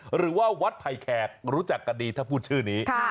หรือว่าวัดไผ่แขกรู้จักกันดีถ้าพูดชื่อนี้